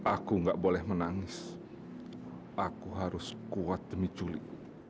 aku nggak boleh menangis aku harus kuat demi culi